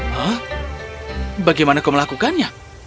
huh bagaimana kau melakukannya